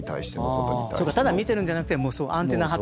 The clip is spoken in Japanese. ただ見てるんじゃなくてアンテナ張って見てる。